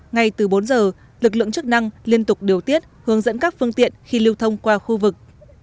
ngay từ bốn giờ lực lượng chức năng liên tục điều tiết hướng dẫn các phương tiện khi lưu thông qua khu vực